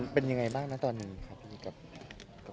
เป็นยังไงบ้างตอนนึงนะครับ